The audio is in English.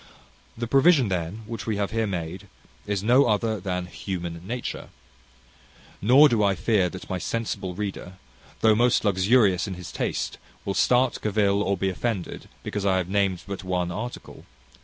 The provision, then, which we have here made is no other than Human Nature. Nor do I fear that my sensible reader, though most luxurious in his taste, will start, cavil, or be offended, because I have named but one article.